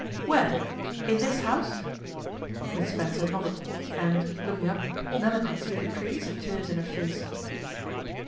'Where? In this house?' Miss Spencer nodded, and, looking up, Nella could see the traces of tears in her face.